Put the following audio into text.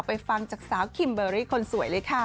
ฟังจากสาวคิมเบอร์รี่คนสวยเลยค่ะ